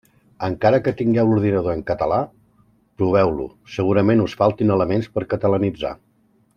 Encara que tingueu l'ordinador en català, proveu-lo: segurament us faltin elements per catalanitzar.